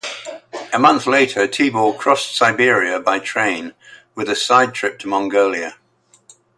A month later Tibor crossed Siberia by train, with a side trip to Mongolia.